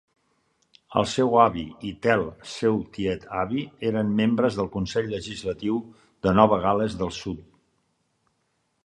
El seu avi i tel seu tiet-avi eren membres del Consell Legislatiu de Nova Gal·les del Sud.